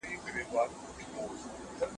تولستوی د خپل قلم په مرسته د بشریت خدمت وکړ.